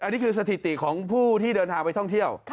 นี่คือสถิติของผู้ที่เดินทางไปท่องเที่ยว